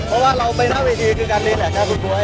เพราะว่าเราไปหน้าเวทีคือการรีแท็กนะคุณบ๊วย